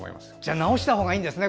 直したほうがいいんですね。